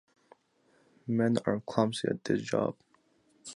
Men are clumsy at this job.